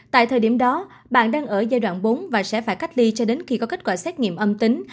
tại thời điểm đó bạn đang ở giai đoạn bốn và sẽ phải cách ly cho đến khi có kết quả xét nghiệm âm tính